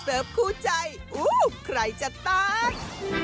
เด็กเสิร์ฟคู่ใจอู้วใครจะตั๊ง